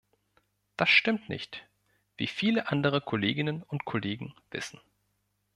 Das stimmt nicht, wie viele andere Kolleginnen und Kollegen wissen.